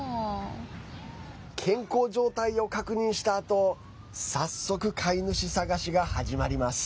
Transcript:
健康状態を確認したあと早速、飼い主探しが始まります。